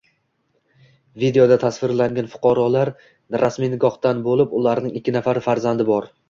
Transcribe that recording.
Videoda tasvirlangan fuqarolar rasmiy nikohda bo‘lib, ularning ikki nafar farzandi bor